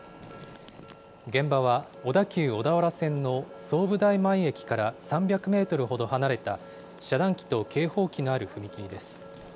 現場は小田急小田原線の相武台前駅から３００メートルほど離れた遮断機と警報機のある踏切です。